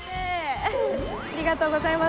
ありがとうございます。